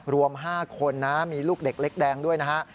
รวม๕คนนะมีลูกเด็กเล็กแดงด้วยนะฮะ